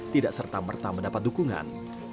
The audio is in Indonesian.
tidak serta merta mendapat dukungan